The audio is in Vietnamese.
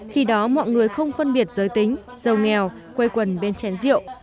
khi đó mọi người không phân biệt giới tính giàu nghèo quây quần bên chén rượu